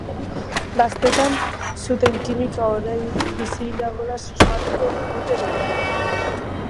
Gaztetan zuten kimika oraindik bizirik dagoela sumatuko duteberehala.